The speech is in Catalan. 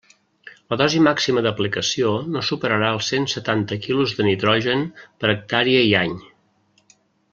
La dosi màxima d'aplicació no superarà els cent setanta quilos de nitrogen per hectàrea i any.